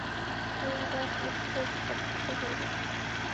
সেদিন তারা ফেরেশতাদেরকে প্রত্যক্ষ করবে।